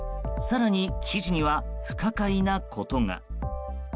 更に、記事には不可解なことが。